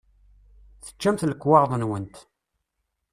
Teččamt lekwaɣeḍ-nwent